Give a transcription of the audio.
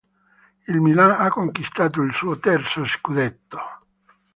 Il Milan ha conquistato il suo terzo scudetto.